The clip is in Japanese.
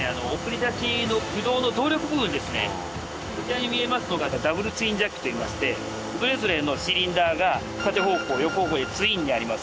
こちらに見えますのがダブルツインジャッキといいましてそれぞれのシリンダーが縦方向横方向でツインにあります。